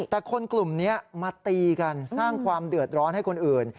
แต่คนกลุ่มนี้มาตีกันสร้างความเดือดร้อนให้คนอื่น